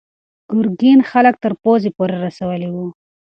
ګرګین خلک تر پوزې پورې رسولي وو.